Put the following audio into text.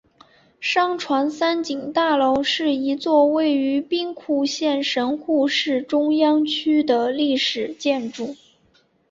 商船三井大楼是一座位于兵库县神户市中央区的历史建筑。